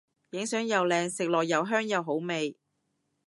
影相又靚食落又香又好味